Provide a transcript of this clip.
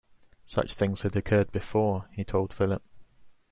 Such things had occurred before, he told Philip.